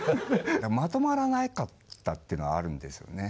まとまらなかったっていうのはあるんですよね